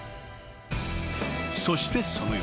［そしてその夜。